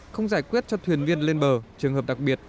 không giải quyết cho thuyền viên lên bờ trường hợp đặc biệt